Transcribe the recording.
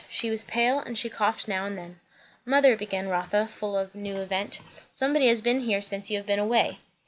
She was pale, and she coughed now and then. "Mother," began Rotha, full of the new event, "somebody has been here since you have been away."